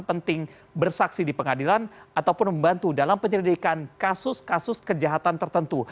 penting bersaksi di pengadilan ataupun membantu dalam penyelidikan kasus kasus kejahatan tertentu